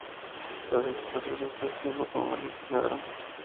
Tras esto paso el resto del tiempo como valet de Cesaro.